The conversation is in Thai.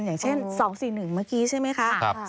อย่างเช่น๒๔๑เมื่อกี้ใช่ไหมคะ